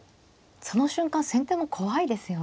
その瞬間先手も怖いですよね。